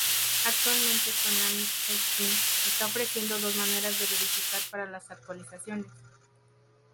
Actualmente, Toonami Jetstream está ofreciendo dos maneras de verificar para las actualizaciones.